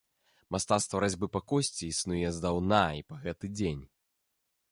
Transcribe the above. Мастацтва разьбы па косці існуе здаўна і па гэты дзень.